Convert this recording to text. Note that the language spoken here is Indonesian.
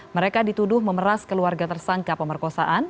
mereka dituduh memeras keluarga tersangka pemerkosaan